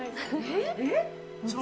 えっ？